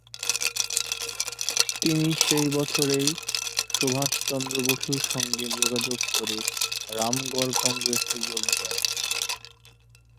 তিনি সেই বছরেই সুভাষ চন্দ্র বসুর সঙ্গে যোগাযোগ করে রামগড় কংগ্রেসে যোগ দেন।